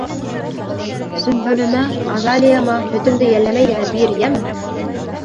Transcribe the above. Сөмбөлөмә, Азалияма һөтөңдө йәлләмәй генә бир, йәме.